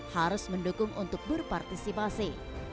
harus mendukung untuk berpartisipasi